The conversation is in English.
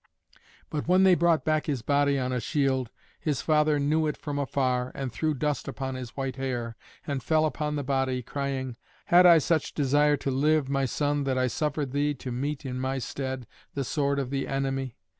But when they brought back his body on a shield, his father knew it from afar, and threw dust upon his white hair, and fell upon the body, crying, "Had I such desire to live, my son, that I suffered thee to meet in my stead the sword of the enemy?